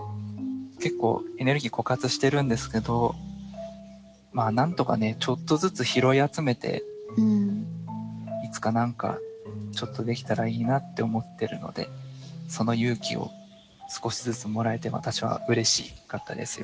結構エネルギー枯渇してるんですけどなんとかねちょっとずつ拾い集めていつか何かちょっとできたらいいなって思ってるのでその勇気を少しずつもらえて私はうれしかったですよ